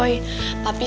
tapi sih rencananya